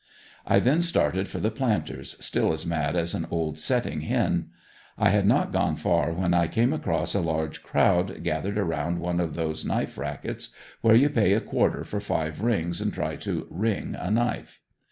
I then started for the "Planters" still as mad as an old setting hen. I had not gone far when I came across a large crowd gathered around one of those knife rackets, where you pay a quarter for five rings and try to "ring" a knife.